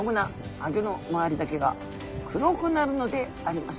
あギョの周りだけが黒くなるのであります」。